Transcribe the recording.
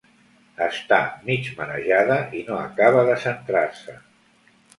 Està mig marejada i no acaba de centrar-se.